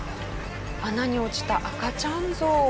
穴に落ちた赤ちゃん象。